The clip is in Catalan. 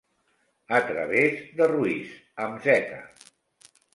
A través de Ruiz, amb zeta.